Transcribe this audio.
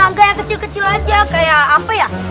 orang orang yang kecil kecil aja kayak apa ya